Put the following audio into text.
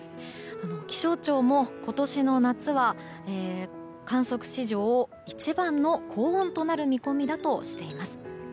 気象庁も今年の夏は観測史上一番の高温となる見込みだとしています。